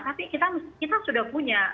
tapi kita sudah punya